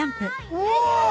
うわ！